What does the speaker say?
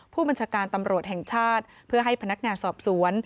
ผู้บัญชาการตำรวจแห่งชาติเพื่อให้พนักงานสอบสวน